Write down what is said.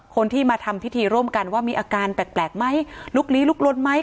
คนที่มาทำพิธีร่วมกันว่ามีอาการแปลกไหมลุกลี้ลุกลนไหม